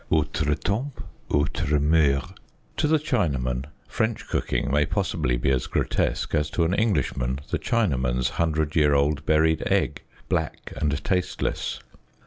Autres temps, autres mceurs. To the Chinaman French cooking may possibly be as grotesque as to an Englishman the Chinaman's hundred year old buried egg, black and tasteless.